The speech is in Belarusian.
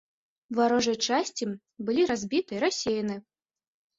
Варожыя часці былі разбіты і рассеяны.